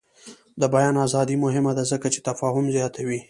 د بیان ازادي مهمه ده ځکه چې تفاهم زیاتوي.